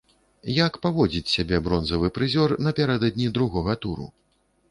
Як паводзіць сябе бронзавы прызёр напярэдадні другога туру?